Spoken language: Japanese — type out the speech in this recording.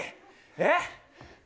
えっ。